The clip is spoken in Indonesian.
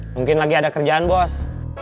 mungkin lagi ada kerjaan bos